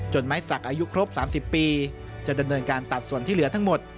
ไม้สักอายุครบ๓๐ปีจะดำเนินการตัดส่วนที่เหลือทั้งหมด